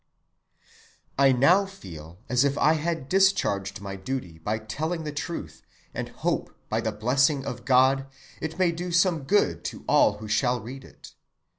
"I now feel as if I had discharged my duty by telling the truth, and hope by the blessing of God, it may do some good to all who shall read it.